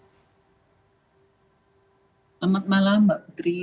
selamat malam mbak putri